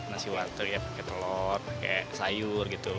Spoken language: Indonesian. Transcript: nasi warung ya pakai telur pakai sayur gitu